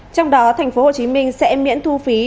trong đó tp hcm sẽ miễn thu phí